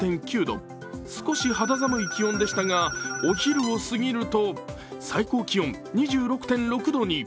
少し肌寒い気温でしたがお昼を過ぎると最高気温２６．６度に。